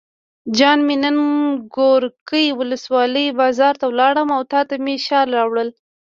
جان مې نن ګورکي ولسوالۍ بازار ته لاړم او تاته مې شال راوړل.